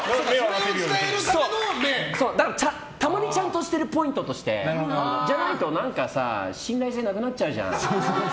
だから、たまにちゃんとしているポイントとして。じゃないと、なんかさ信頼性がなくなっちゃうじゃん。